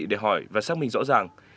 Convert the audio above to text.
để hỏi và xác minh rõ ràng